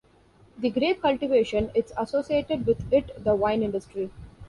The Grape cultivation it's associated with it the wine industry.